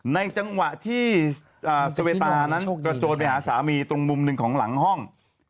ในจังหวะที่เซเวตานั้นกระโจนไปหาสามีตรงมุมหนึ่งของหลังห้อง